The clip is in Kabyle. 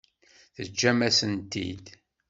Teǧǧam-asen-tent-id.